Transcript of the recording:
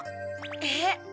えっ？